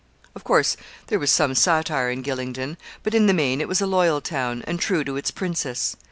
Of course there was some satire in Gylingden; but, in the main, it was a loyal town, and true to its princess.